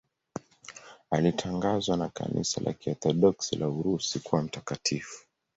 Alitangazwa na Kanisa la Kiorthodoksi la Urusi kuwa mtakatifu.